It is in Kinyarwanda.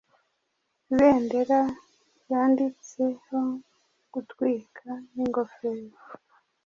Ibendera ryanditsehogutwika ningofero